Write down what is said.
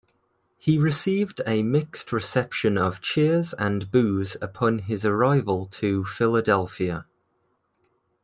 He received a mixed reception of cheers and boos upon his return to Philadelphia.